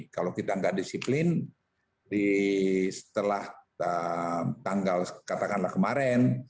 kalau kita nggak disiplin setelah tanggal katakanlah kemarin